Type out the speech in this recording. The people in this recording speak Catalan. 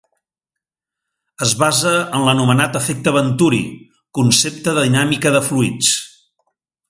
Es basa en l'anomenat Efecte Venturi, concepte de dinàmica de fluids.